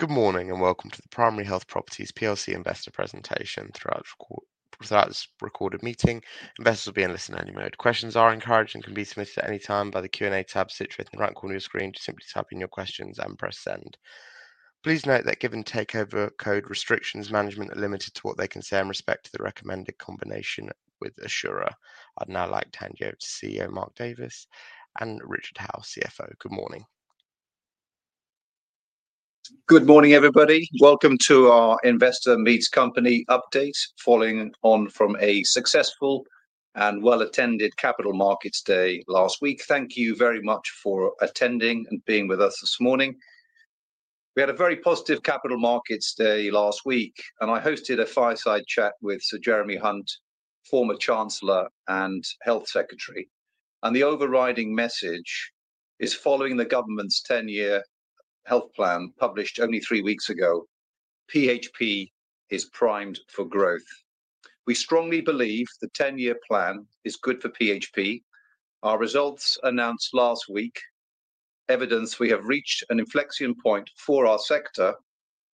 Good morning and welcome to the Primary Health Properties PLC investor presentation. Throughout this recorded meeting, investors will be in a listen-only mode. Questions are encouraged and can be submitted at any time by the Q&A tab situated in the right corner of your screen. Just simply type in your questions and press send. Please note that given takeover code restrictions, management are limited to what they can say in respect to the recommended combination with Assura. I'd now like to hand you over to CEO Mark Davies and Richard Howell, CFO. Good morning. Good morning, everybody. Welcome to our Investor Meets Company update, following on from a successful and well-attended Capital Markets Day last week. Thank you very much for attending and being with us this morning. We had a very positive Capital Markets Day last week, and I hosted a fireside chat with Sir Jeremy Hunt, former Chancellor and Health Secretary. The overriding message is, following the government's 10-year health plan published only three weeks ago, PHP is primed for growth. We strongly believe the 10-year plan is good for PHP. Our results announced last week evidence we have reached an inflection point for our sector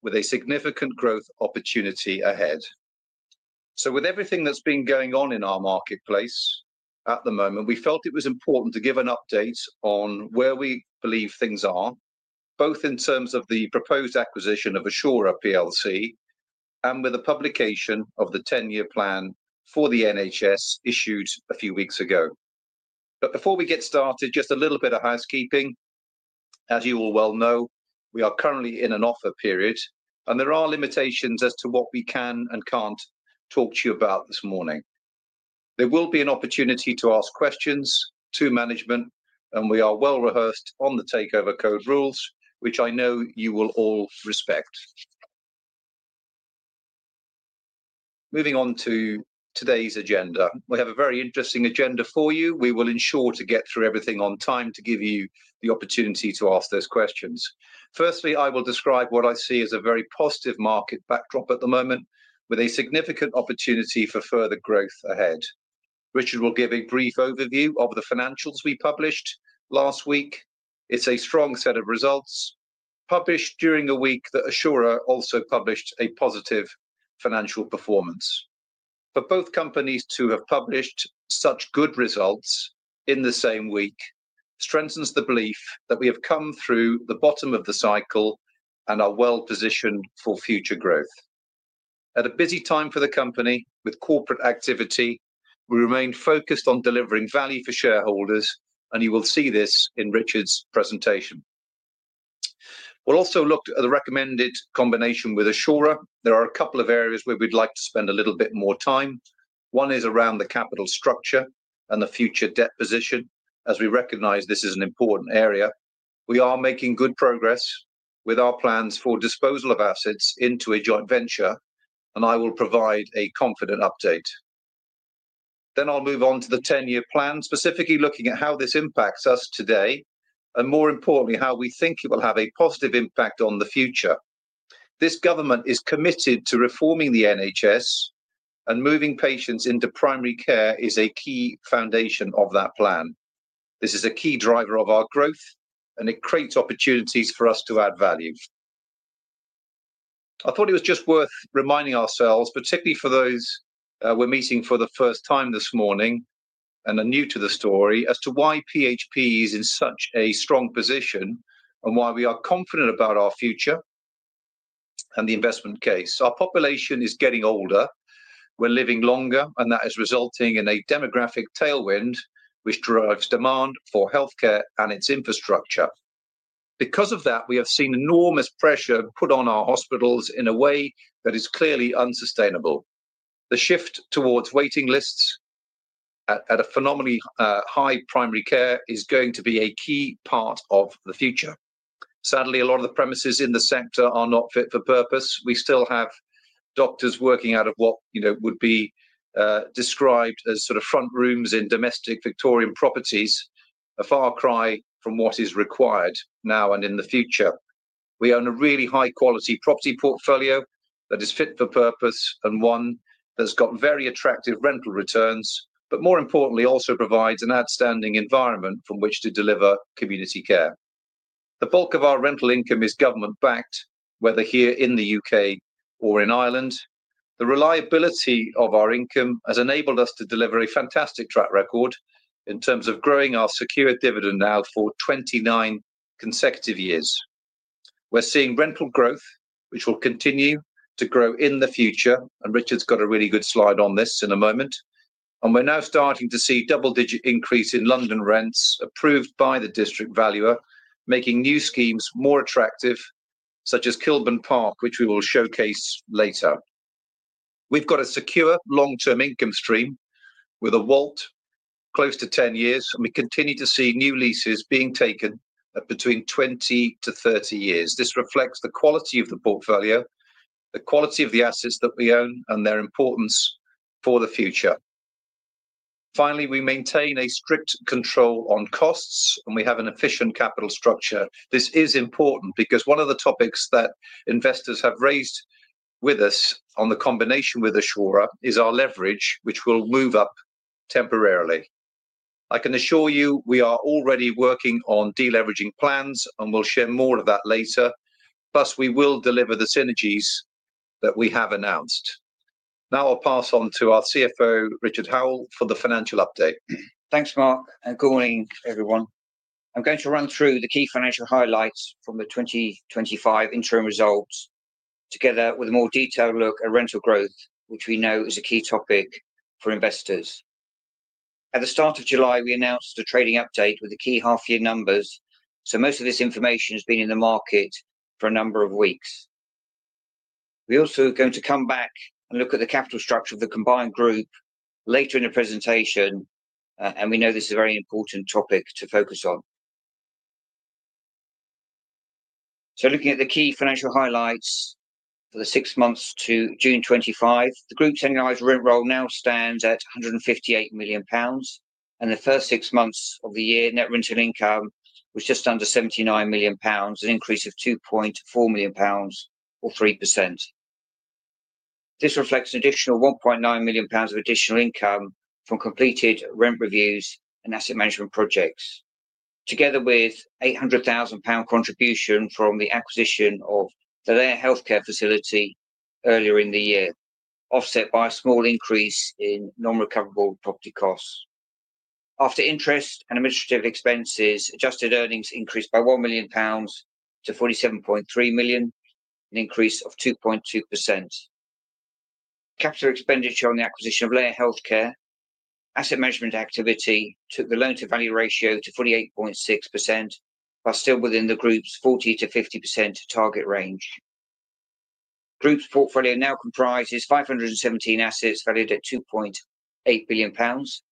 with a significant growth opportunity ahead. With everything that's been going on in our marketplace at the moment, we felt it was important to give an update on where we believe things are, both in terms of the proposed acquisition of Assura PLC and with the publication of the 10-year plan for the NHS issued a few weeks ago. Before we get started, just a little bit of housekeeping. As you all well know, we are currently in an offer period, and there are limitations as to what we can and can't talk to you about this morning. There will be an opportunity to ask questions to management, and we are well-rehearsed on the takeover code rules, which I know you will all respect. Moving on to today's agenda, we have a very interesting agenda for you. We will ensure to get through everything on time to give you the opportunity to ask those questions. Firstly, I will describe what I see as a very positive market backdrop at the moment, with a significant opportunity for further growth ahead. Richard will give a brief overview of the financials we published last week. It's a strong set of results published during a week that Assura also published a positive financial performance. For both companies to have published such good results in the same week strengthens the belief that we have come through the bottom of the cycle and are well-positioned for future growth. At a busy time for the company, with corporate activity, we remain focused on delivering value for shareholders, and you will see this in Richard's presentation. We'll also look at the recommended combination with Assura. There are a couple of areas where we'd like to spend a little bit more time. One is around the capital structure and the future debt position, as we recognize this is an important area. We are making good progress with our plans for disposal of assets into a joint venture, and I will provide a confident update. I'll move on to the 10-year plan, specifically looking at how this impacts us today and, more importantly, how we think it will have a positive impact on the future. This government is committed to reforming the NHS, and moving patients into primary care is a key foundation of that plan. This is a key driver of our growth, and it creates opportunities for us to add value. I thought it was just worth reminding ourselves, particularly for those we're meeting for the first time this morning and are new to the story, as to why PHP is in such a strong position and why we are confident about our future and the investment case. Our population is getting older. We're living longer, and that is resulting in a demographic tailwind which drives demand for healthcare and its infrastructure. Because of that, we have seen enormous pressure put on our hospitals in a way that is clearly unsustainable. The shift towards waiting lists at a phenomenally high primary care is going to be a key part of the future. Sadly, a lot of the premises in the sector are not fit for purpose. We still have doctors working out of what would be described as sort of front rooms in domestic Victorian properties, a far cry from what is required now and in the future. We own a really high-quality property portfolio that is fit for purpose and one that's got very attractive rental returns, but more importantly, also provides an outstanding environment from which to deliver community care. The bulk of our rental income is government-backed, whether here in the U.K. or in Ireland. The reliability of our income has enabled us to deliver a fantastic track record in terms of growing our secured dividend out for 29 consecutive years. We're seeing rental growth, which will continue to grow in the future, and Richard's got a really good slide on this in a moment. We're now starting to see double-digit increase in London rents approved by the district valuer, making new schemes more attractive, such as Kilburn Park, which we will showcase later. We've got a secure long-term income stream with a WALT close to 10 years, and we continue to see new leases being taken at between 20-30 years. This reflects the quality of the portfolio, the quality of the assets that we own, and their importance for the future. Finally, we maintain a strict control on costs, and we have an efficient capital structure. This is important because one of the topics that investors have raised with us on the combination with Assura is our leverage, which will move up temporarily. I can assure you we are already working on deleveraging plans, and we'll share more of that later. Plus, we will deliver the synergies that we have announced. Now I'll pass on to our CFO, Richard Howell, for the financial update. Thanks, Mark, and good morning, everyone. I'm going to run through the key financial highlights from the 2025 interim results, together with a more detailed look at rental growth, which we know is a key topic for investors. At the start of July, we announced a trading update with the key half-year numbers, so most of this information has been in the market for a number of weeks. We're also going to come back and look at the capital structure of the combined group later in the presentation, and we know this is a very important topic to focus on. Looking at the key financial highlights for the six months to June 2025, the group's annualized rent roll now stands at 158 million pounds, and in the first six months of the year, net rental income was just under 79 million pounds, an increase of 2.4 million pounds, or 3%. This reflects an additional 1.9 million pounds of additional income from completed rent reviews and asset management projects, together with an GBP 800,000 contribution from the acquisition of the Laya Health and Wellbeing Clinic earlier in the year, offset by a small increase in non-recoverable property costs. After interest and administrative expenses, adjusted earnings increased by 1 million-47.3 million pounds, an increase of 2.2%. Capital expenditure on the acquisition of the Laya Health and Wellbeing Clinic and asset management activity took the loan-to-value ratio to 48.6%, while still within the group's 40%-50% target range. The group's portfolio now comprises 517 assets valued at 2.8 billion pounds,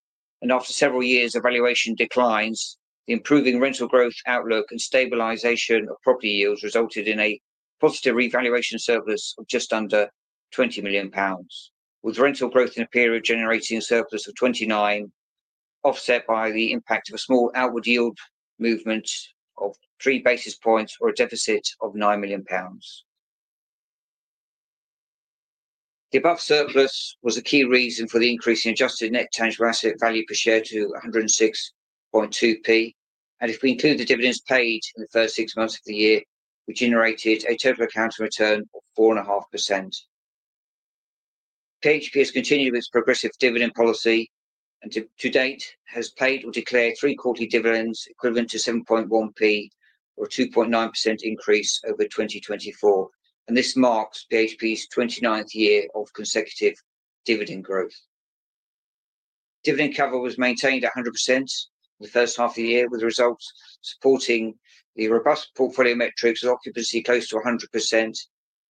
and after several years of valuation declines, the improving rental growth outlook and stabilization of property yields resulted in a positive revaluation surplus of just under 20 million pounds, with rental growth in the period generating a surplus of 29 million, offset by the impact of a small outward yield movement of three basis points, or a deficit of 9 million pounds. The above surplus was a key reason for the increase in adjusted net tangible asset value per share to 106.2p, and if we include the dividends paid in the first six months of the year, we generated a total accounting return of 4.5%. PHP has continued with its progressive dividend policy and, to date, has paid or declared three quarterly dividends equivalent to 7.1p, or a 2.9% increase over 2024, and this marks PHP's 29th year of consecutive dividend growth. Dividend cover was maintained at 100% in the first half of the year, with results supporting the robust portfolio metrics of occupancy close to 100%,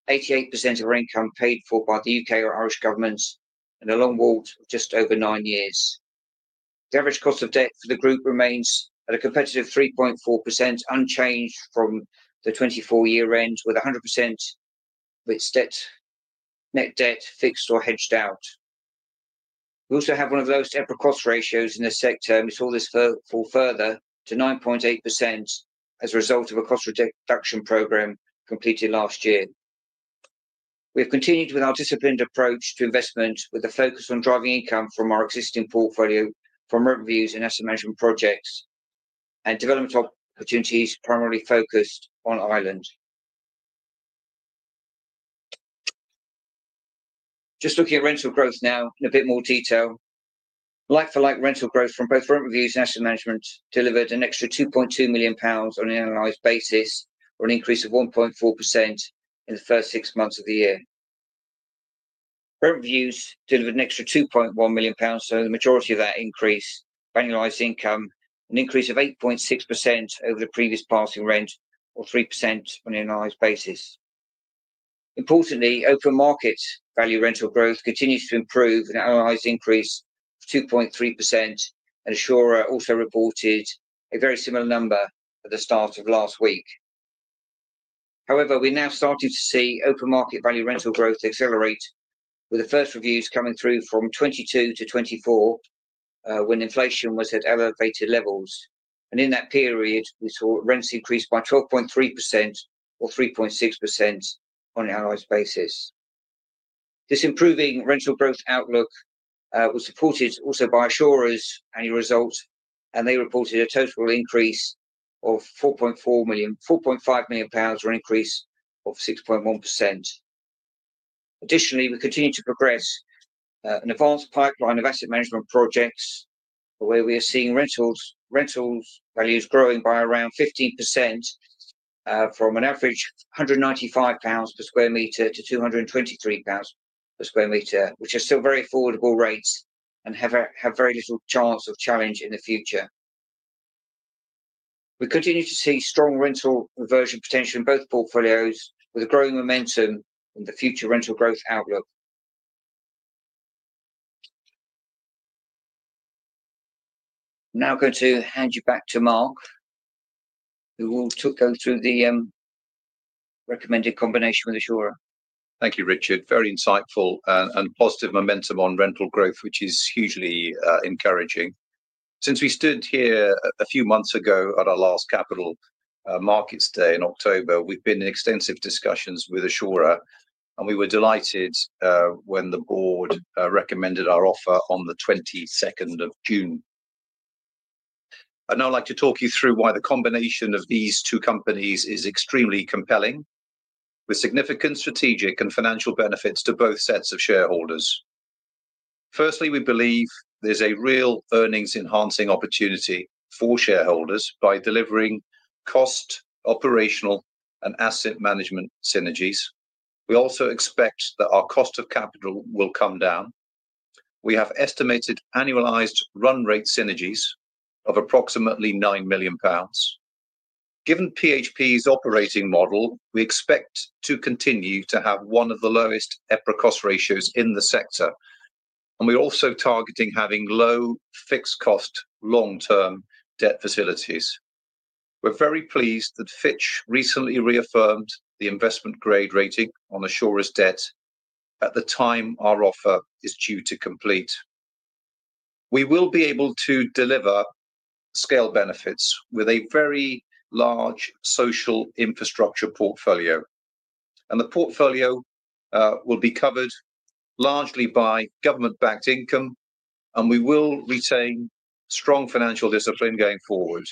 88% of our income paid for by the U.K. or Irish governments, and a long WALT of just over nine years. The average cost of debt for the group remains at a competitive 3.4%, unchanged from the 2024 year-end, with 100% of its net debt fixed or hedged out. We also have one of the lowest EBITDA cost ratios in the sector, and we saw this fall further to 9.8% as a result of a cost reduction program completed last year. We've continued with our disciplined approach to investment, with a focus on driving income from our existing portfolio from revenues and asset management projects and development opportunities primarily focused on Ireland. Just looking at rental growth now in a bit more detail, like-for-like rental growth from both rent reviews and asset management delivered an extra 2.2 million pounds on an annualized basis, or an increase of 1.4% in the first six months of the year. Rent reviews delivered an extra 2.1 million pounds, so the majority of that increase of annualized income, an increase of 8.6% over the previous passing rent, or 3% on an annualized basis. Importantly, open market value rental growth continues to improve with an annualized increase of 2.3%, and Assura also reported a very similar number at the start of last week. However, we're now starting to see open market value rental growth accelerate, with the first reviews coming through from 2022-2024 when inflation was at elevated levels, and in that period, we saw rents increase by 12.3% or 3.6% on an annualized basis. This improving rental growth outlook was supported also by Assura's annual results, and they reported a total increase of 4.5 million pounds, or an increase of 6.1%. Additionally, we continue to progress an advanced pipeline of asset management projects where we are seeing rental values growing by around 15% from an average 195 pounds per square meter to 223 pounds per square meter, which are still very affordable rents and have very little chance of challenge in the future. We continue to see strong rental conversion potential in both portfolios, with a growing momentum in the future rental growth outlook. I'm now going to hand you back to Mark, who will go through the recommended combination with Assura. Thank you, Richard. Very insightful and positive momentum on rental growth, which is hugely encouraging. Since we stood here a few months ago at our last Capital Markets Day in October, we've been in extensive discussions with Assura, and we were delighted when the board recommended our offer on the 22nd of June. I'd now like to talk you through why the combination of these two companies is extremely compelling, with significant strategic and financial benefits to both sets of shareholders. Firstly, we believe there's a real earnings-accretive opportunity for shareholders by delivering cost, operational, and asset management synergies. We also expect that our cost of capital will come down. We have estimated annualized run rate synergies of approximately 9 million pounds. Given PHP's operating model, we expect to continue to have one of the lowest EBITDA cost ratios in the sector, and we're also targeting having low fixed cost long-term debt facilities. We're very pleased that Fitch recently reaffirmed the investment grade rating on Assura's debt at the time our offer is due to complete. We will be able to deliver scale benefits with a very large social infrastructure portfolio, and the portfolio will be covered largely by government-backed income, and we will retain strong financial discipline going forward.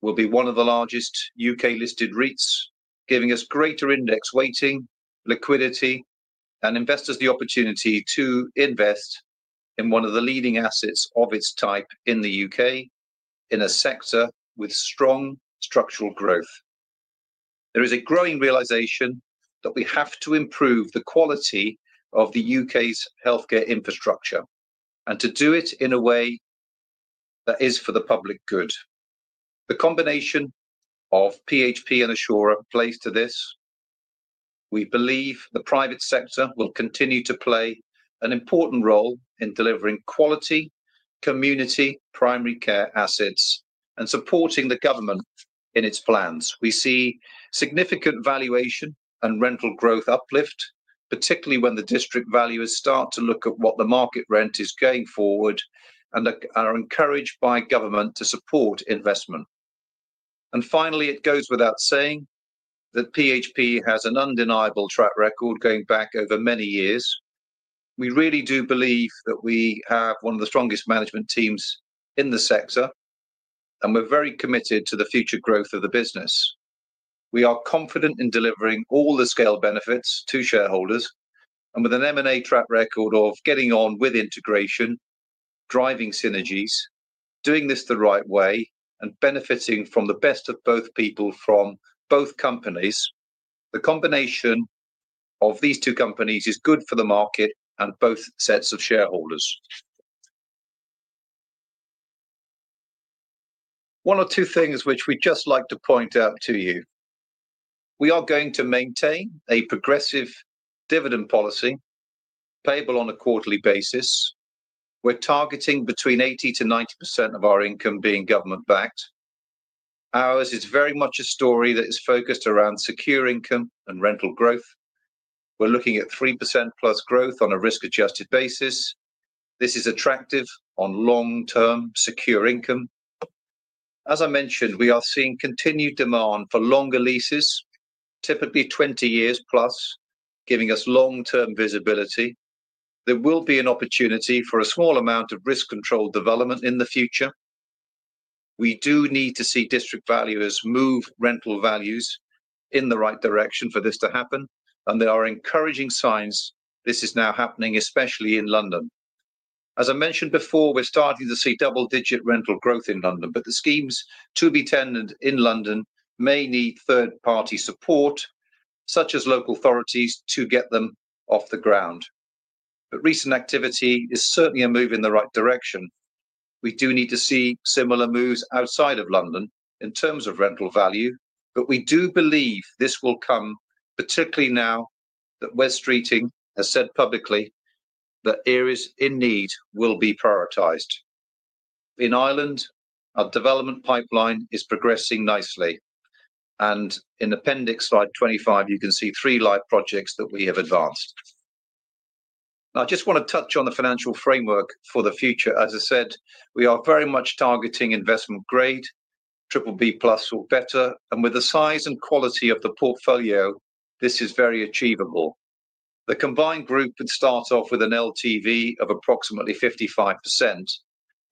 We'll be one of the largest U.K.-listed REITs, giving us greater index weighting, liquidity, and investors the opportunity to invest in one of the leading assets of its type in the U.K. in a sector with strong structural growth. There is a growing realization that we have to improve the quality of the U.K.'s healthcare infrastructure, and to do it in a way that is for the public good. The combination of PHP and Assura plays to this. We believe the private sector will continue to play an important role in delivering quality community primary care assets and supporting the government in its plans. We see significant valuation and rental growth uplift, particularly when the district valuers start to look at what the market rent is going forward and are encouraged by government to support investment. Finally, it goes without saying that PHP has an undeniable track record going back over many years. We really do believe that we have one of the strongest management teams in the sector, and we're very committed to the future growth of the business. We are confident in delivering all the scale benefits to shareholders, and with an M&A track record of getting on with integration, driving synergies, doing this the right way, and benefiting from the best of both people from both companies, the combination of these two companies is good for the market and both sets of shareholders. One or two things which we'd just like to point out to you. We are going to maintain a progressive dividend policy payable on a quarterly basis. We're targeting between 80%-90% of our income being government-backed. Ours is very much a story that is focused around secure income and rental growth. We're looking at 3%+ growth on a risk-adjusted basis. This is attractive on long-term secure income. As I mentioned, we are seeing continued demand for longer leases, typically 20+ years, giving us long-term visibility. There will be an opportunity for a small amount of risk-controlled development in the future. We do need to see district valuers move rental values in the right direction for this to happen, and there are encouraging signs. This is now happening, especially in London. As I mentioned before, we're starting to see double-digit rental growth in London, but the schemes to be tendered in London may need third-party support, such as local authorities, to get them off the ground. Recent activity is certainly a move in the right direction. We do need to see similar moves outside of London in terms of rental value, but we do believe this will come, particularly now that Wes Streeting has said publicly that areas in need will be prioritized. In Ireland, our development pipeline is progressing nicely, and in appendix slide 25, you can see three live projects that we have advanced. I just want to touch on the financial framework for the future. As I said, we are very much targeting investment grade, triple B+ or better, and with the size and quality of the portfolio, this is very achievable. The combined group could start off with an LTV of approximately 55%,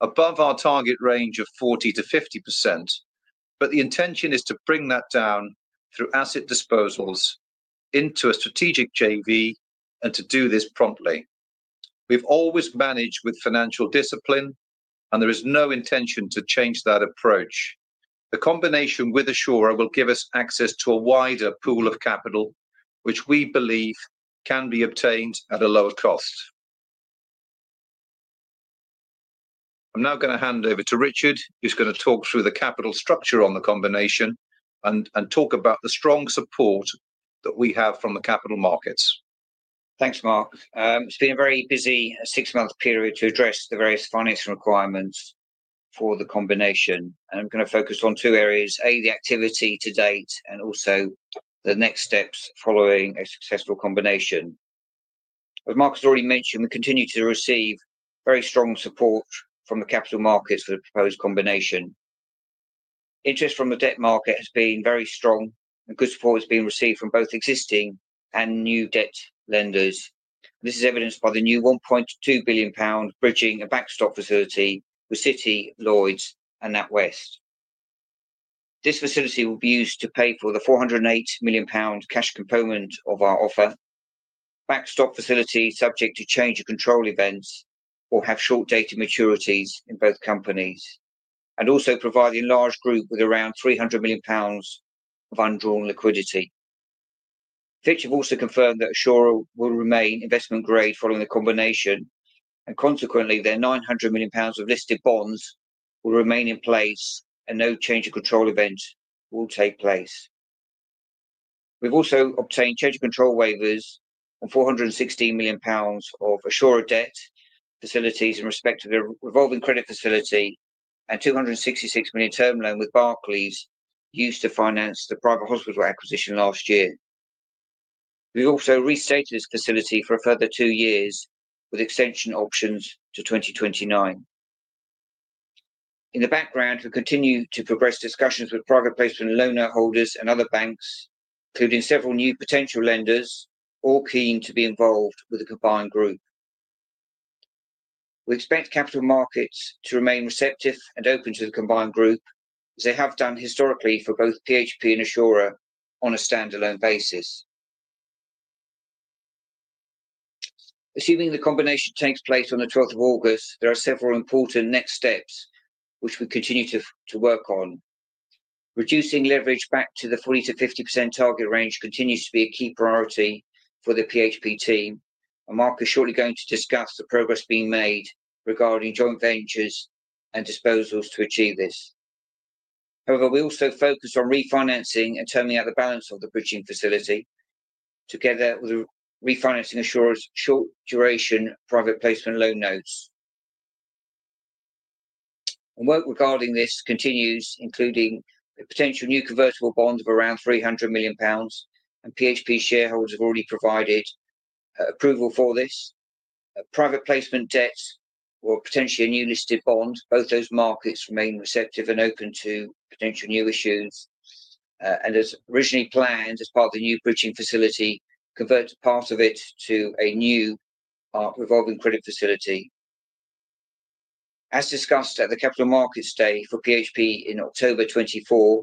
above our target range of 40%-50%, but the intention is to bring that down through asset disposals into a strategic JV and to do this promptly. We've always managed with financial discipline, and there is no intention to change that approach. The combination with Assura will give us access to a wider pool of capital, which we believe can be obtained at a lower cost. I'm now going to hand over to Richard, who's going to talk through the capital structure on the combination and talk about the strong support that we have from the capital markets. Thanks, Mark. It's been a very busy six-month period to address the various financing requirements for the combination, and I'm going to focus on two areas. A, the activity to date, and also the next steps following a successful combination. As Mark has already mentioned, we continue to receive very strong support from the capital markets for the proposed combination. Interest from the debt market has been very strong, and good support has been received from both existing and new debt lenders. This is evidenced by the new 1.2 billion pound bridging and backstop facility with City, Lloyds, and NatWest. This facility will be used to pay for the 408 million pound cash component of our offer. The backstop facility, subject to change and control events, will have short-dated maturities in both companies and also provide the large group with around 300 million pounds of undrawn liquidity. Fitch have also confirmed that Assura will remain investment grade following the combination, and consequently, their 900 million pounds of listed bonds will remain in place, and no change or control event will take place. We've also obtained change and control waivers on 416 million pounds of Assura debt facilities in respect of the revolving credit facility and 266 million term loan with Barclays used to finance the private hospital acquisition last year. We've also restated this facility for a further two years with extension options to 2029. In the background, we continue to progress discussions with private placement loan holders and other banks, including several new potential lenders, all keen to be involved with the combined group. We expect capital markets to remain receptive and open to the combined group, as they have done historically for both PHP and Assura on a standalone basis. Assuming the combination takes place on the 12th of August, there are several important next steps which we continue to work on. Reducing leverage back to the 40%-50% target range continues to be a key priority for the PHP team, and Mark is surely going to discuss the progress being made regarding joint ventures and disposals to achieve this. However, we also focus on refinancing and turning out the balance of the bridging facility, together with refinancing Assura's short-duration private placement loan notes. Work regarding this continues, including a potential new convertible bond of around 300 million pounds, and PHP shareholders have already provided approval for this. Private placement debt or potentially a new listed bond, both those markets remain receptive and open to potential new issues. As originally planned, as part of the new bridging facility, convert part of it to a new revolving credit facility. As discussed at the Capital Markets Day for PHP in October 2024,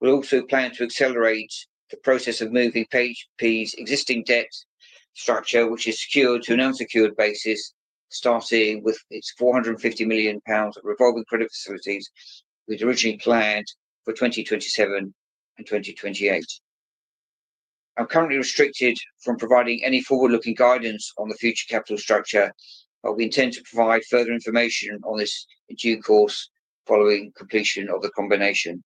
we also plan to accelerate the process of moving PHP's existing debt structure, which is secured, to an unsecured basis, starting with its 450 million pounds of revolving credit facilities we'd originally planned for 2027 and 2028. I'm currently restricted from providing any forward-looking guidance on the future capital structure, but we intend to provide further information on this in due course following completion of the combination.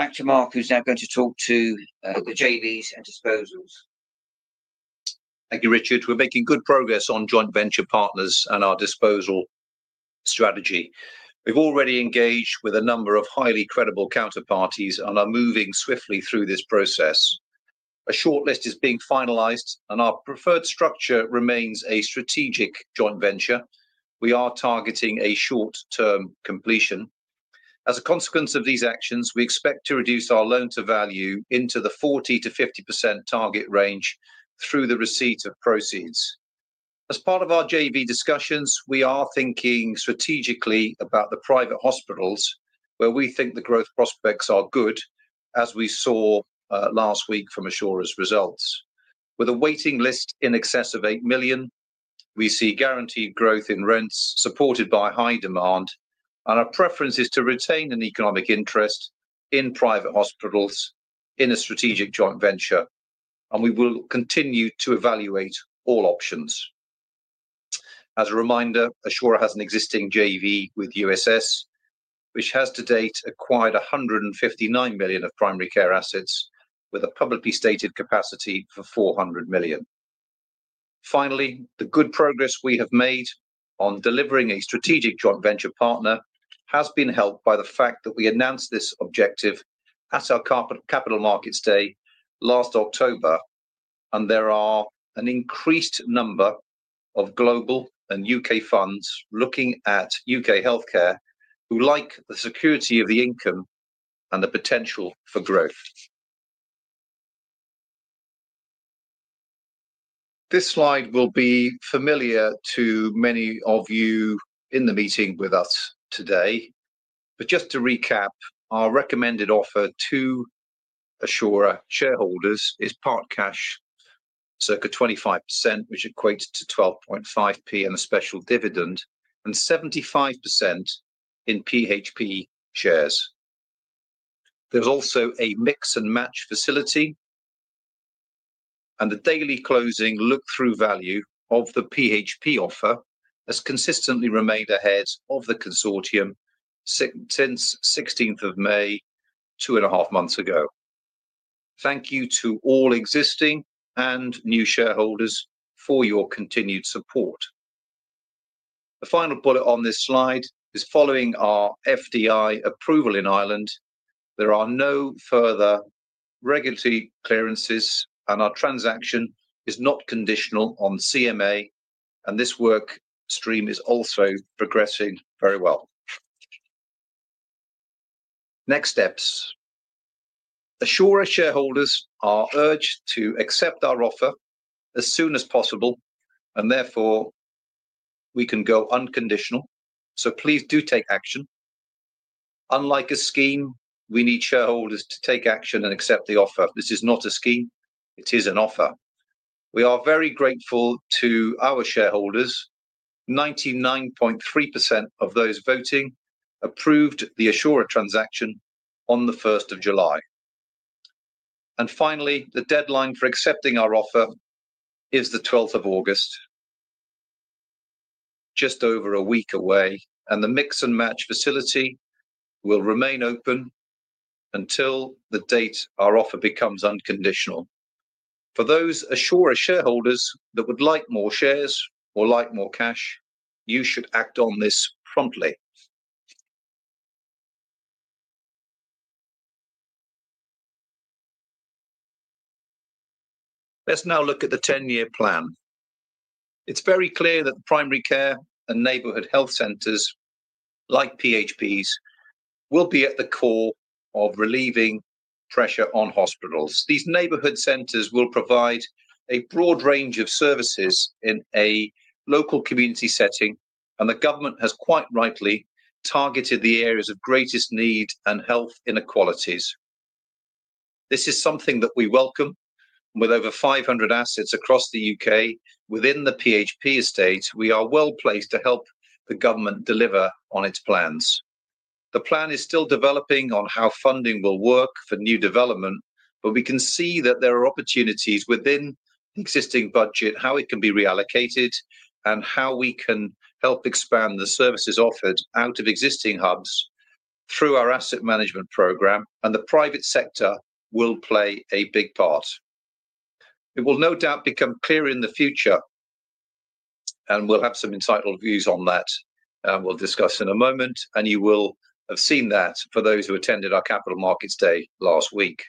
Back to Mark, who's now going to talk to the joint ventures and disposals. Thank you, Richard. We're making good progress on joint venture partners and our disposal strategy. We've already engaged with a number of highly credible counterparties and are moving swiftly through this process. A shortlist is being finalized, and our preferred structure remains a strategic joint venture. We are targeting a short-term completion. As a consequence of these actions, we expect to reduce our loan-to-value into the 40%-50% target range through the receipt of proceeds. As part of our JV discussions, we are thinking strategically about the private hospitals, where we think the growth prospects are good, as we saw last week from Assura's results. With a waiting list in excess of 8 million, we see guaranteed growth in rents supported by high demand, and our preference is to retain an economic interest in private hospitals in a strategic joint venture, and we will continue to evaluate all options. As a reminder, Assura has an existing JV with USS, which has to date acquired 159 million of primary care assets, with a publicly stated capacity for 400 million. Finally, the good progress we have made on delivering a strategic joint venture partner has been helped by the fact that we announced this objective at our Capital Markets Day last October, and there are an increased number of global and U.K. funds looking at U.K. healthcare, who like the security of the income and the potential for growth. This slide will be familiar to many of you in the meeting with us today, but just to recap, our recommended offer to Assura shareholders is part cash, circa 25%, which equates to 0.125 and a special dividend, and 75% in PHP shares. There's also a mix and match facility, and the daily closing look-through value of the PHP offer has consistently remained ahead of the consortium since 16th of May, two and a half months ago. Thank you to all existing and new shareholders for your continued support. The final bullet on this slide is following our FDI approval in Ireland. There are no further regulatory clearances, and our transaction is not conditional on CMA, and this work stream is also progressing very well. Next steps. Assura shareholders are urged to accept our offer as soon as possible, and therefore we can go unconditional, so please do take action. Unlike a scheme, we need shareholders to take action and accept the offer. This is not a scheme. It is an offer. We are very grateful to our shareholders. 99.3% of those voting approved the Assura transaction on the 1st of July. Finally, the deadline for accepting our offer is the 12th of August, just over a week away, and the mix and match facility will remain open until the date our offer becomes unconditional. For those Assura shareholders that would like more shares or like more cash, you should act on this promptly. Let's now look at the 10-year plan. It's very clear that primary care and neighborhood health centers, like PHP's, will be at the core of relieving pressure on hospitals. These neighborhood centers will provide a broad range of services in a local community setting, and the government has quite rightly targeted the areas of greatest need and health inequalities. This is something that we welcome, and with over 500 assets across the U.K. within the PHP estate, we are well placed to help the government deliver on its plans. The plan is still developing on how funding will work for new development, but we can see that there are opportunities within the existing budget, how it can be reallocated, and how we can help expand the services offered out of existing hubs through our asset management program, and the private sector will play a big part. It will no doubt become clear in the future, and we'll have some insightful views on that, and we'll discuss in a moment, and you will have seen that for those who attended our Capital Markets Day last week.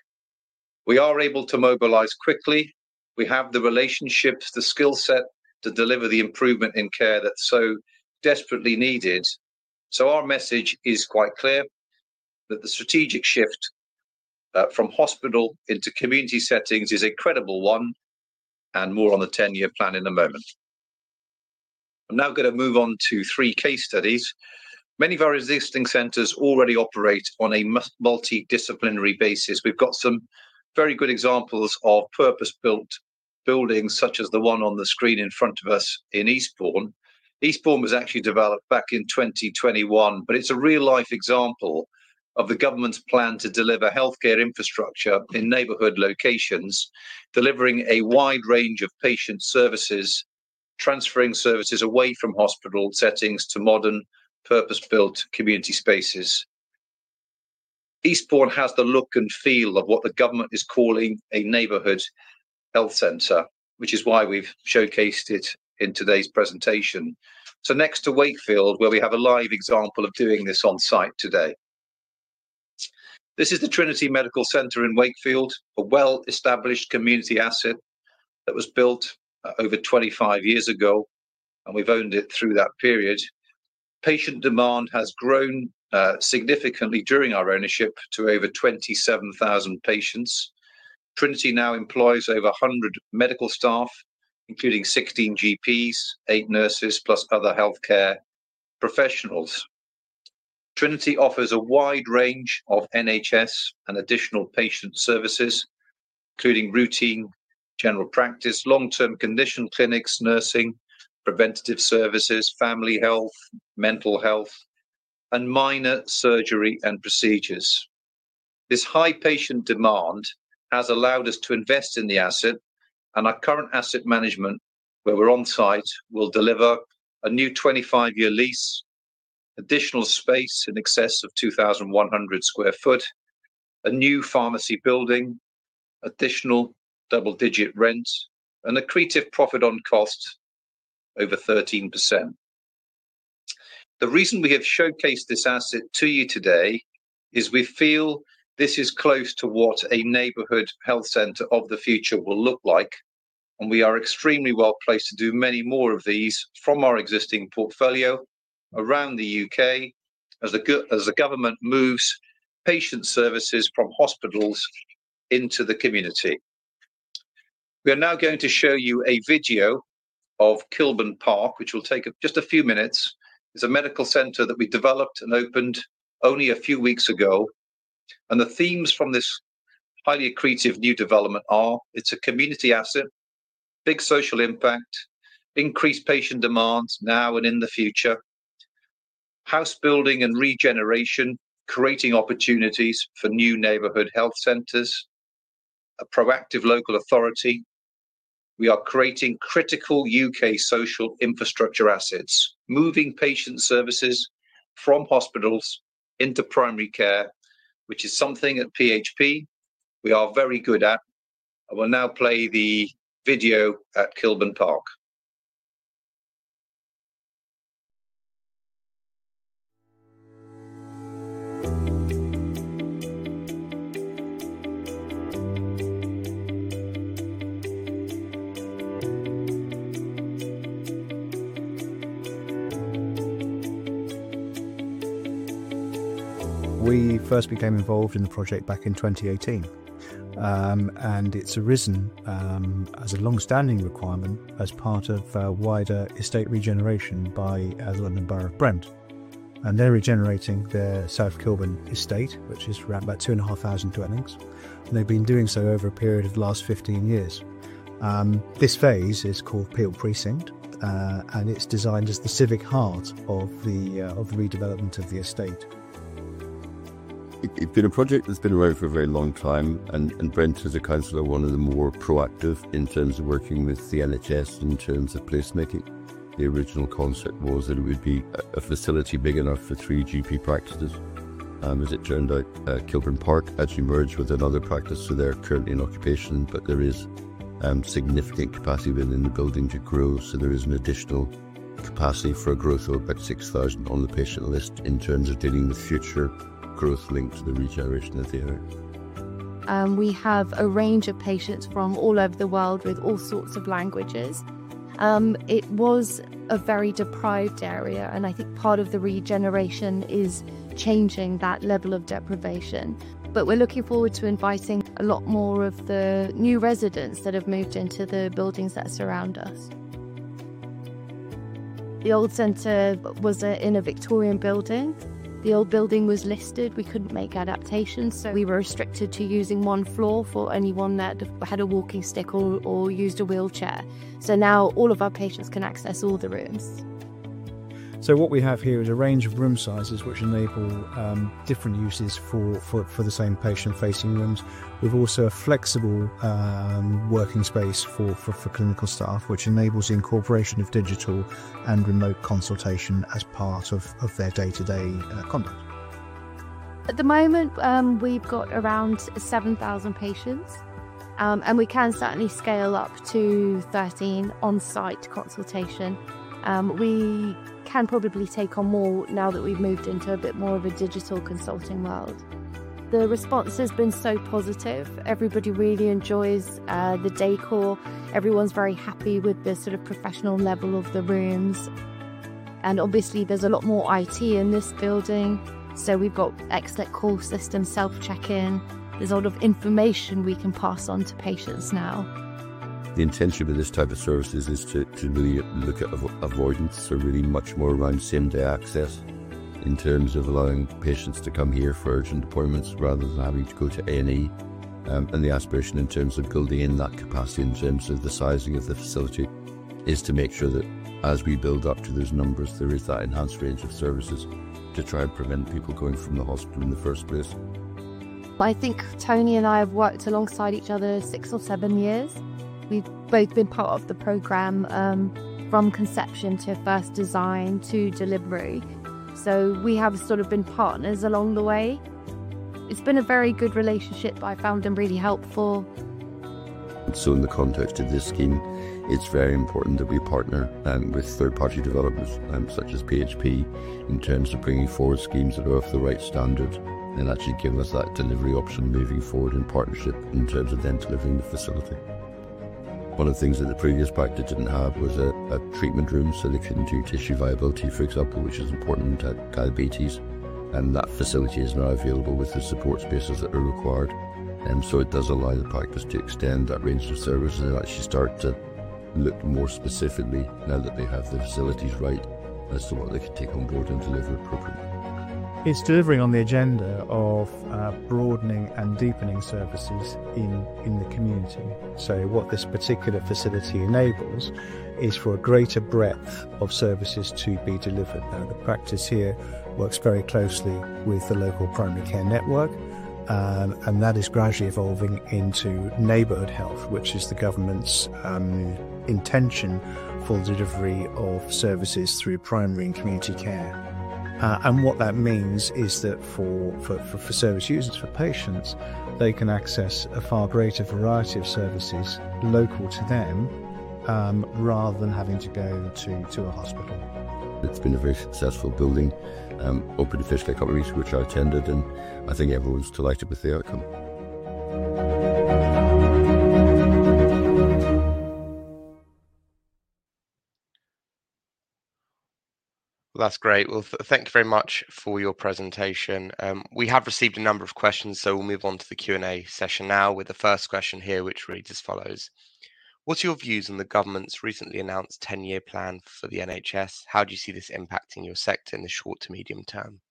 We are able to mobilize quickly. We have the relationships, the skill set to deliver the improvement in care that's so desperately needed. Our message is quite clear that the strategic shift from hospital into community settings is a credible one, and more on the 10-year plan in a moment. I'm now going to move on to three case studies. Many of our existing centers already operate on a multidisciplinary basis. We've got some very good examples of purpose-built buildings, such as the one on the screen in front of us in Eastbourne. Eastbourne was actually developed back in 2021, but it's a real-life example of the government's plan to deliver healthcare infrastructure in neighborhood locations, delivering a wide range of patient services, transferring services away from hospital settings to modern purpose-built community spaces. Eastbourne has the look and feel of what the government is calling a neighborhood health center, which is why we've showcased it in today's presentation. Next to Wakefield, where we have a live example of doing this on site today. This is the Trinity Medical Center in Wakefield, a well-established community asset that was built over 25 years ago, and we've owned it through that period. Patient demand has grown significantly during our ownership to over 27,000 patients. Trinity now employs over 100 medical staff, including 16 GPs, eight nurses, plus other healthcare professionals. Trinity offers a wide range of NHS and additional patient services, including routine general practice, long-term condition clinics, nursing, preventative services, family health, mental health, and minor surgery and procedures. This high patient demand has allowed us to invest in the asset, and our current asset management, where we're on site, will deliver a new 25-year lease, additional space in excess of 2,100 sq ft, a new pharmacy building, additional double-digit rent, and a creative profit on cost over 13%. The reason we have showcased this asset to you today is we feel this is close to what a neighborhood health center of the future will look like, and we are extremely well placed to do many more of these from our existing portfolio around the U.K. as the government moves patient services from hospitals into the community. We are now going to show you a video of Kilburn Park, which will take just a few minutes. It's a medical center that we developed and opened only a few weeks ago, and the themes from this highly creative new development are it's a community asset, big social impact, increased patient demands now and in the future, house building and regeneration, creating opportunities for new neighborhood health centers, a proactive local authority. We are creating critical U.K. social infrastructure assets, moving patient services from hospitals into primary care, which is something at PHP we are very good at. I will now play the video at Kilburn Park. We first became involved in the project back in 2018, and it's arisen as a longstanding requirement as part of wider estate regeneration by Ashland and Baruch Brent. They're regenerating their South Kilburn estate, which is around about 2,500 dwellings, and they've been doing so over a period of the last 15 years. This phase is called Peel Precinct, and it's designed as the civic heart of the redevelopment of the estate. It's been a project that's been around for a very long time, and Brent, as a Councillor, is one of the more proactive in terms of working with the NHS in terms of placement. The original concept was that it would be a facility big enough for three GP practices. As it turned out, Kilburn Park actually merged with another practice, so they're currently in occupation, but there is significant capacity within the building to grow. There is an additional capacity for a growth of about 6,000 on the patient list in terms of dealing with future growth linked to the regeneration of the area. We have a range of patients from all over the world with all sorts of languages. It was a very deprived area, and I think part of the regeneration is changing that level of deprivation. We're looking forward to inviting a lot more of the new residents that have moved into the buildings that surround us. The old center was in a Victorian building. The old building was listed, and we couldn't make adaptations, so we were restricted to using one floor for anyone that had a walking stick or used a wheelchair. Now all of our patients can access all the rooms. We have here a range of room sizes which enable different uses for the same patient-facing rooms. We've also a flexible working space for clinical staff, which enables the incorporation of digital and remote consultation as part of their day-to-day conduct. At the moment, we've got around 7,000 patients, and we can certainly scale up to 13 on-site consultation. We can probably take on more now that we've moved into a bit more of a digital consulting world. The response has been so positive. Everybody really enjoys the decor. Everyone's very happy with the sort of professional level of the rooms, and obviously there's a lot more IT in this building. We've got excellent call system, self-check-in, and there's a lot of information we can pass on to patients now. The intention with this type of services is to really look at avoidance, so really much more around same-day access in terms of allowing patients to come here for urgent appointments rather than having to go to A&E. The aspiration in terms of building in that capacity in terms of the sizing of the facility is to make sure that as we build up to those numbers, there is that enhanced range of services to try and prevent people going from the hospital in the first place. I think Tony and I have worked alongside each other six or seven years. We've both been part of the program from conception to first design to delivery, so we have sort of been partners along the way. It's been a very good relationship. I found them really helpful. In the context of this scheme, it's very important that we partner with third-party developers such as PHP in terms of bringing forward schemes that are of the right standard and actually give us that delivery option moving forward in partnership in terms of then delivering the facility. One of the things that the previous practice didn't have was a treatment room, so they couldn't do tissue viability, for example, which is important to diabetes, and that facility is now available with the support spaces that are required. It does allow the practice to extend that range of service and actually start to look more specifically now that they have the facilities right as to what they could take on board and deliver it properly. It's delivering on the agenda of broadening and deepening services in the community. What this particular facility enables is for a greater breadth of services to be delivered. The practice here works very closely with the local primary care network, and that is gradually evolving into neighborhood health, which is the government's intention for the delivery of services through primary and community care. What that means is that for service users, for patients, they can access a far greater variety of services local to them rather than having to go to a hospital. It's been a very successful building, open to first takeovers, which are tendered, and I think everyone's delighted with the outcome. That's great. Thank you very much for your presentation. We have received a number of questions, so we'll move on to the Q&A session now with the first question here, which really just follows. What's your views on the U.K. government's recently announced 10-year plan for the NHS? How do you see this impacting your sector in the short to medium term?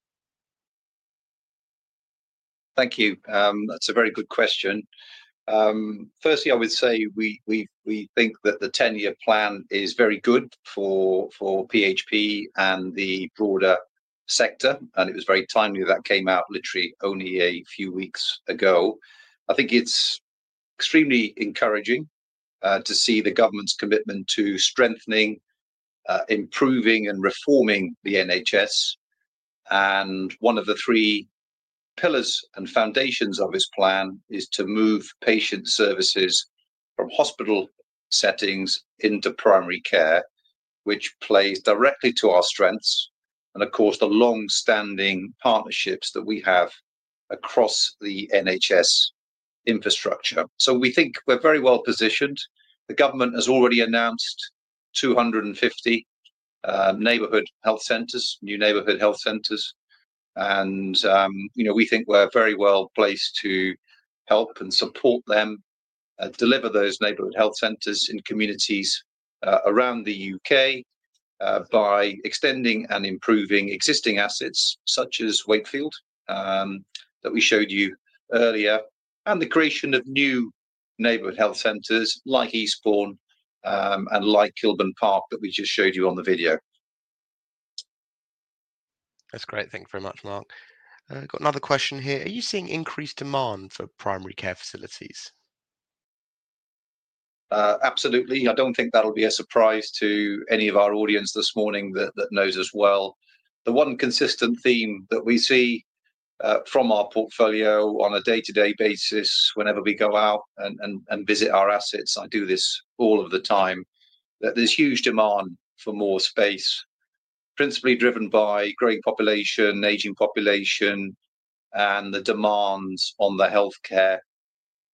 Thank you. That's a very good question. Firstly, I would say we think that the 10-year plan is very good for PHP and the broader sector, and it was very timely that that came out literally only a few weeks ago. I think it's extremely encouraging to see the government's commitment to strengthening, improving, and reforming the NHS, and one of the three pillars and foundations of this plan is to move patient services from hospital settings into primary care, which plays directly to our strengths and, of course, the longstanding partnerships that we have across the NHS infrastructure. We think we're very well positioned. The government has already announced 250 neighborhood health centers, new neighborhood health centers, and we think we're very well placed to help and support them deliver those neighborhood health centers in communities around the U.K. by extending and improving existing assets such as Wakefield that we showed you earlier, and the creation of new neighborhood health centers like Eastbourne and like Kilburn Park that we just showed you on the video. That's great. Thank you very much, Mark. I've got another question here. Are you seeing increased demand for primary care facilities? Absolutely. I don't think that'll be a surprise to any of our audience this morning that knows us well. The one consistent theme that we see from our portfolio on a day-to-day basis whenever we go out and visit our assets, I do this all of the time, is that there's huge demand for more space, principally driven by growing population, aging population, and the demands on the healthcare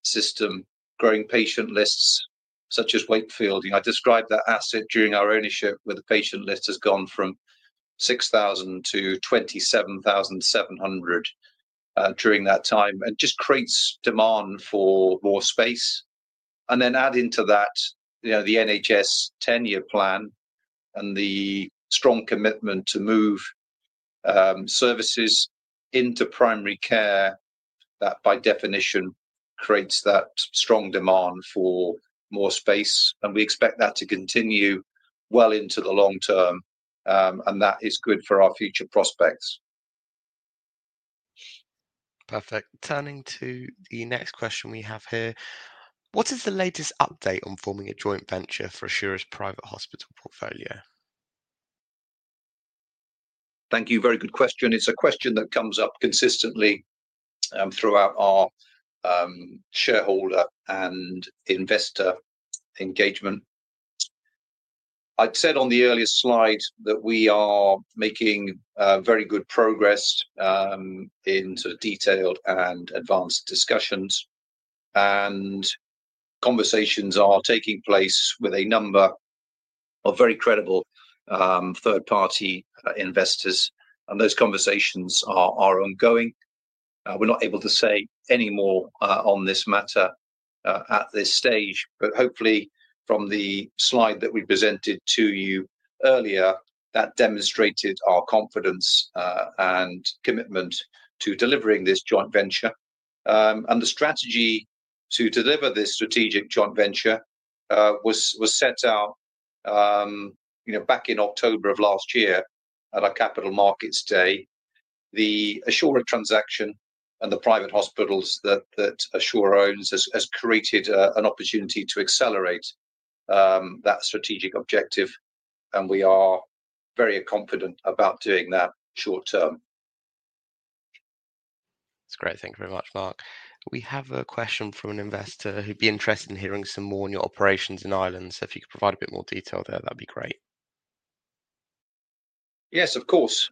system, growing patient lists such as Wakefield. I described that asset during our ownership where the patient list has gone from 6,000-27,700 during that time, and it just creates demand for more space. Add into that the NHS plan and the strong commitment to move services into primary care that by definition creates that strong demand for more space, and we expect that to continue well into the long term, and that is good for our future prospects. Perfect. Turning to the next question we have here, what is the latest update on forming a joint venture for Assura's private hospital portfolio? Thank you. Very good question. It's a question that comes up consistently throughout our shareholder and investor engagement. I said on the earlier slide that we are making very good progress in sort of detailed and advanced discussions, and conversations are taking place with a number of very credible third-party investors, and those conversations are ongoing. We're not able to say any more on this matter at this stage, but hopefully from the slide that we presented to you earlier, that demonstrated our confidence and commitment to delivering this joint venture. The strategy to deliver this strategic joint venture was set out back in October of last year at our Capital Markets Day. The Assura transaction and the private hospitals that Assura owns has created an opportunity to accelerate that strategic objective, and we are very confident about doing that short term. That's great. Thank you very much, Mark. We have a question from an investor who'd be interested in hearing some more on your operations in Ireland. If you could provide a bit more detail there, that'd be great. Yes, of course.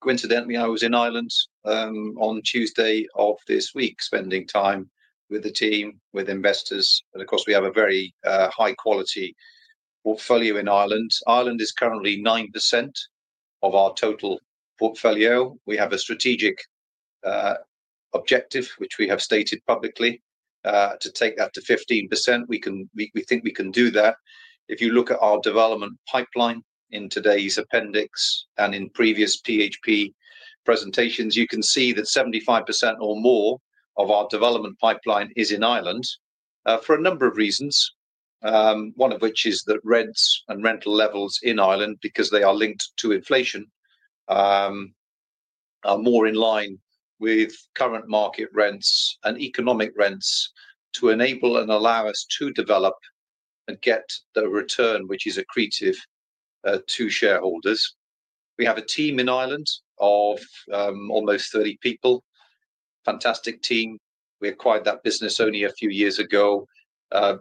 Coincidentally, I was in Ireland on Tuesday of this week, spending time with the team, with investors, and of course, we have a very high-quality portfolio in Ireland. Ireland is currently 9% of our total portfolio. We have a strategic objective, which we have stated publicly, to take that to 15%. We think we can do that. If you look at our development pipeline in today's appendix and in previous PHP presentations, you can see that 75% or more of our development pipeline is in Ireland for a number of reasons, one of which is that rents and rental levels in Ireland, because they are linked to inflation, are more in line with current market rents and economic rents to enable and allow us to develop and get the return, which is accretive, to shareholders. We have a team in Ireland of almost 30 people, a fantastic team. We acquired that business only a few years ago.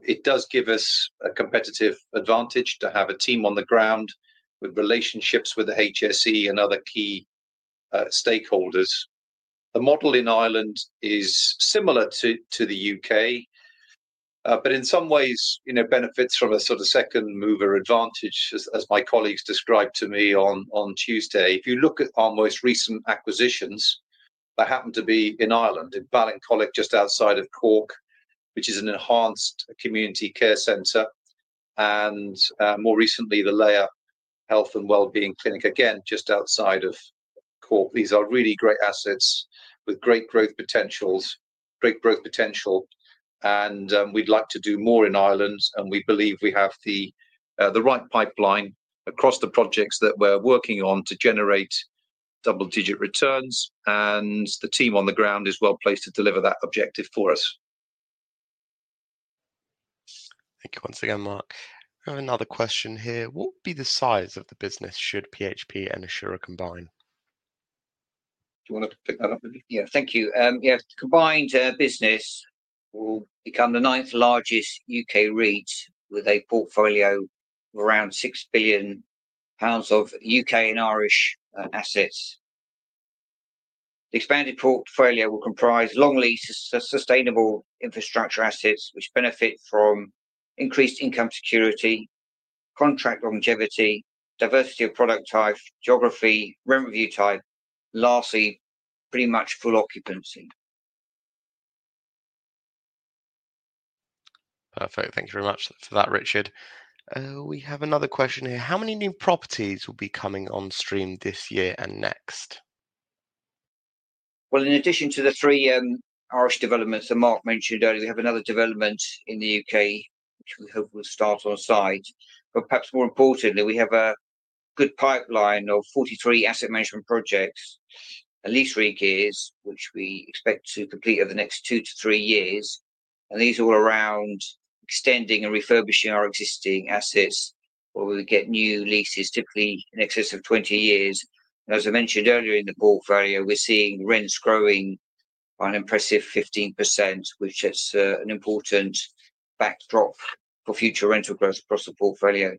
It does give us a competitive advantage to have a team on the ground with relationships with the HSE and other key stakeholders. The model in Ireland is similar to the U.K., but in some ways, it benefits from a sort of second-mover advantage, as my colleagues described to me on Tuesday. If you look at our most recent acquisitions, they happen to be in Ireland, in Ballintemple, just outside of Cork, which is an enhanced community care center, and more recently, the Laya Health and Wellbeing Clinic, again, just outside of Cork. These are really great assets with great growth potential, and we'd like to do more in Ireland, and we believe we have the right pipeline across the projects that we're working on to generate double-digit returns, and the team on the ground is well placed to deliver that objective for us. Thank you once again, Mark. We have another question here. What would be the size of the business should PHP and Assura combine? Do you want to pick that up with me? Yeah, thank you. Yeah, combined business will become the ninth largest U.K. REIT with a portfolio of around 6 billion pounds of U.K. and Irish assets. The expanded portfolio will comprise long-lead sustainable infrastructure assets, which benefit from increased income security, contract longevity, diversity of product type, geography, revenue type, and lastly, pretty much full occupancy. Perfect. Thank you very much for that, Richard. We have another question here. How many new properties will be coming on stream this year and next? In addition to the three Irish developments that Mark mentioned earlier, we have another development in the U.K., which we hope will start on site. Perhaps more importantly, we have a good pipeline of 43 asset management projects and lease regears, which we expect to complete over the next two to three years. These are all around extending and refurbishing our existing assets where we would get new leases, typically in excess of 20 years. As I mentioned earlier in the portfolio, we're seeing rents growing by an impressive 15%, which is an important backdrop for future rental growth across the portfolio.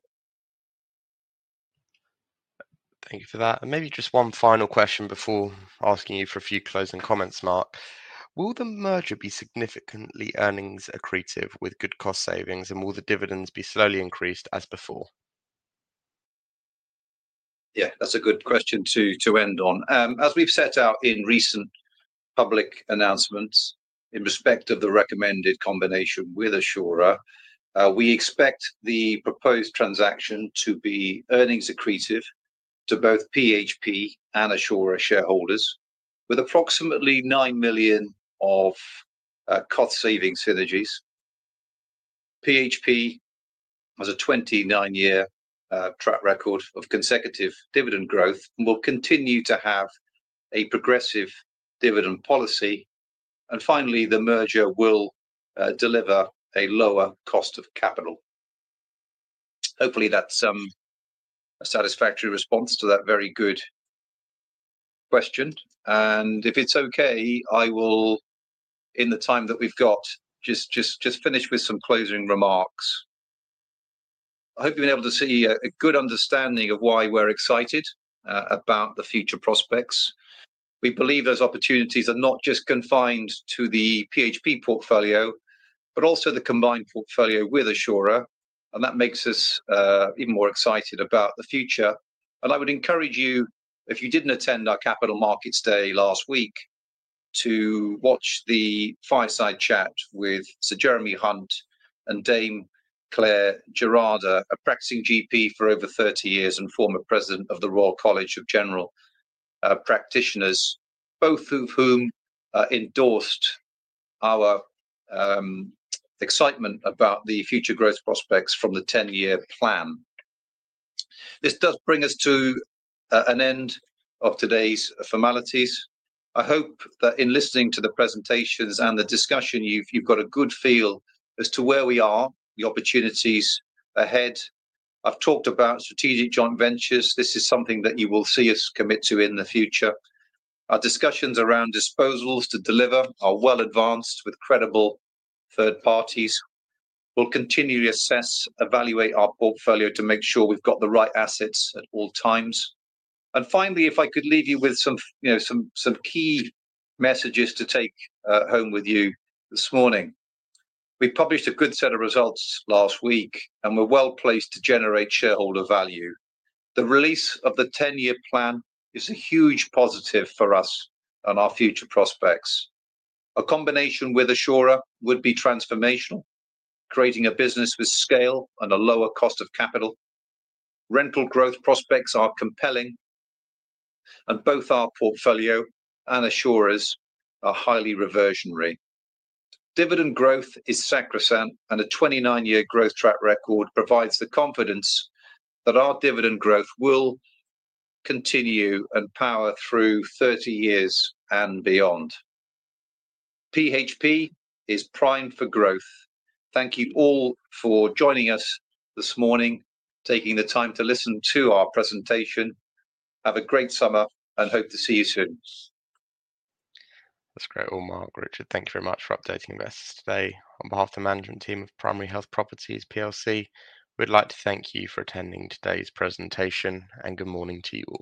Thank you for that. Maybe just one final question before asking you for a few closing comments, Mark. Will the merger be significantly earnings-accretive with good cost savings, and will the dividends be slowly increased as before? Yeah. That's a good question to end on. As we've set out in recent public announcements in respect of the recommended combination with Assura, we expect the proposed transaction to be earnings-accretive to both PHP and Assura shareholders, with approximately 9 million of cost-saving synergies. PHP has a 29-year track record of consecutive dividend growth and will continue to have a progressive dividend policy. Finally, the merger will deliver a lower cost of capital. Hopefully, that's a satisfactory response to that very good question. If it's okay, I will, in the time that we've got, just finish with some closing remarks. I hope you've been able to see a good understanding of why we're excited about the future prospects. We believe those opportunities are not just confined to the PHP portfolio, but also the combined portfolio with Assura, and that makes us even more excited about the future. I would encourage you, if you didn't attend our Capital Markets Day last week, to watch the fireside chat with Sir Jeremy Hunt and Dame Clare Gerada, a practicing GP for over 30 years and former President of the Royal College of General Practitioners, both of whom endorsed our excitement about the future growth prospects from the 10-year plan. This does bring us to an end of today's formalities. I hope that in listening to the presentations and the discussion, you've got a good feel as to where we are, the opportunities ahead. I've talked about strategic joint ventures. This is something that you will see us commit to in the future. Our discussions around disposals to deleverage are well advanced with credible third parties. We'll continually assess and evaluate our portfolio to make sure we've got the right assets at all times. Finally, if I could leave you with some key messages to take home with you this morning, we published a good set of results last week, and we're well placed to generate shareholder value. The release of the 10-year plan is a huge positive for us and our future prospects. A combination with Assura would be transformational, creating a business with scale and a lower cost of capital. Rental growth prospects are compelling, and both our portfolio and Assura's are highly reversion-ready. Dividend growth is sacrosanct, and a 29-year growth track record provides the confidence that our dividend growth will continue and power through 30 years and beyond. PHP is primed for growth. Thank you all for joining us this morning, taking the time to listen to our presentation. Have a great summer, and hope to see you soon. That's great, Mark, Richard. Thank you very much for updating us today. On behalf of the management team of Primary Health Properties PLC, we'd like to thank you for attending today's presentation, and good morning to you all.